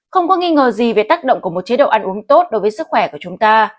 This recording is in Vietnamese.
không có nghi ngờ gì về tác động của một chế độ ăn uống tốt đối với sức khỏe của chúng ta